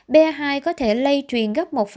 ba hai có thể lây truyền gấp một năm